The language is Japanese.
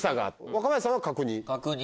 若林さんは「角煮」？